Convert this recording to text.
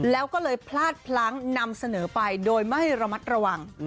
แล้วก็เลยพลาดพลั้งนำเสนอไปโดยไม่ระมัดระวัง